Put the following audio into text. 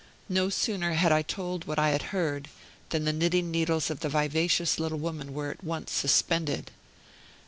No sooner had I told what I had heard than the knitting needles of the vivacious little woman were at once suspended.